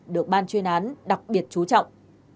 được ban chuyên án đặc biệt chú trọng